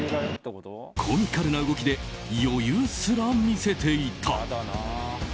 コミカルな動きで余裕すら見せていた。